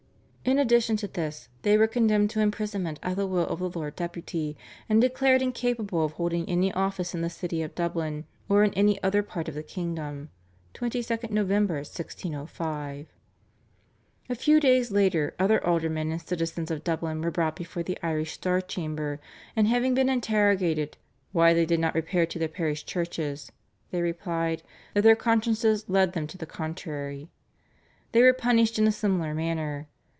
In addition to this, they were condemned to imprisonment at the will of the Lord Deputy, and declared incapable of holding any office in the city of Dublin, or in any other part of the kingdom (22 Nov. 1605). A few days later other aldermen and citizens of Dublin were brought before the Irish Star Chamber, and having been interrogated "why they did not repair to their parish churches," they replied "that their consciences led them to the contrary." They were punished in a similar manner.